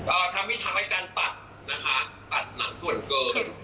เอ่อทำวิทักษ์ให้กันตัดนะคะตัดหนังส่วนเกิน